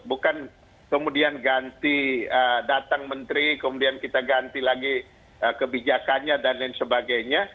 bukan kemudian ganti datang menteri kemudian kita ganti lagi kebijakannya dan lain sebagainya